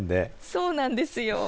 そうなんですよ。